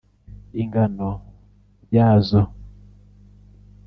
Ingano yazo